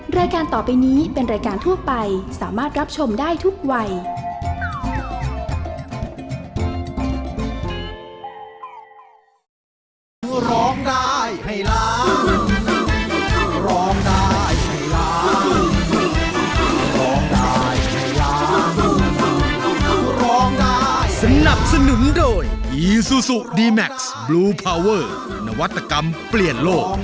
รายการต่อไปนี้เป็นรายการทั่วไปสามารถรับชมได้ทุกวัย